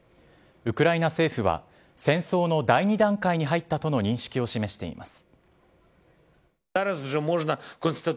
ウクライナ政府は戦争の第２段階に入ったとの認識を示しています。